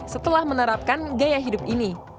setelah menerapkan gaya hidup ini